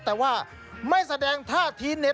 แต่ว่าไม่แสดงท่าทีเน็ต